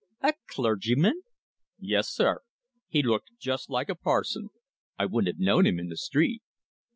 "A clergyman!" "Yes, sir. He looked just like a parson. I wouldn't have known him in the street."